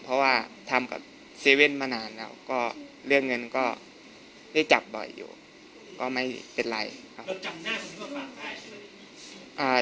เพราะว่าทำกับเซเว่นมานานแล้วก็เรื่องเงินก็ได้จับบ่อยอยู่ก็ไม่เป็นไรครับ